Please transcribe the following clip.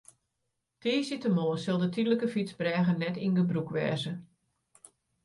Tiisdeitemoarn sil de tydlike fytsbrêge net yn gebrûk wêze.